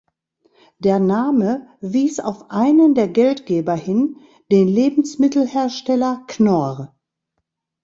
Der Name wies auf einen der Geldgeber hin, den Lebensmittelhersteller Knorr.